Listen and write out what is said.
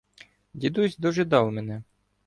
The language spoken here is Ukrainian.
Дідусь дожидав мене.